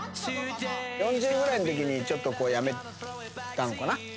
４０ぐらいのときにちょっとやめたのかな。